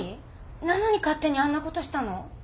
なのに勝手にあんなことしたの？